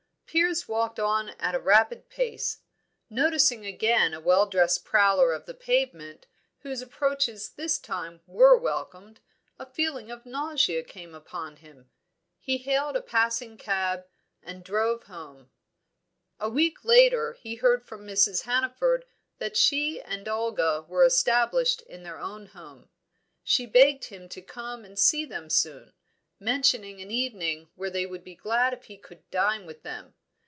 Piers walked on at a rapid pace. Noticing again a well dressed prowler of the pavement, whose approaches this time were welcomed, a feeling of nausea came upon him. He hailed a passing cab, and drove home. A week later, he heard from Mrs. Hannaford that she and Olga were established in their own home; she begged him to come and see them soon, mentioning an evening when they would be glad if he could dine with them.